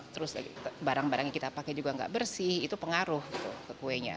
terus barang barang yang kita pakai juga nggak bersih itu pengaruh ke kuenya